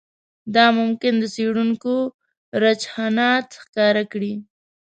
دا ممکن د څېړونکو رجحانات ښکاره کړي